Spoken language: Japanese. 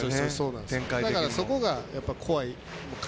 だから、そこが怖い。